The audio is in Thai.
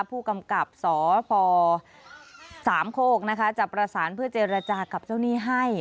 ผู้กำกับสศ๓โขจับประสานเพื่อเจรจากับเจ้านี้ให้